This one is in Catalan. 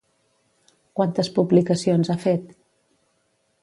Quantes publicacions ha fet?